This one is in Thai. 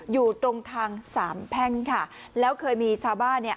อยู่ตรงทางสามแพ่งค่ะแล้วเคยมีชาวบ้านเนี่ย